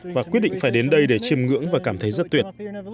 và quyết định phải đến đây để chiêm ngưỡng và cảm thấy rất tuyệt